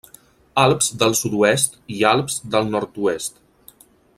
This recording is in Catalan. Alps del sud-oest i Alps del nord-oest.